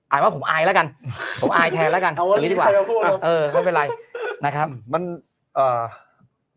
อาจว่าผมอายแล้วกันผมอายแทนแล้วกันถือดีกว่าไม่เป็นไร